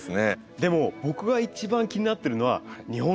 でも僕が一番気になってるのは日本大賞です。